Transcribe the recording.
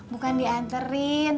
bukan di anterin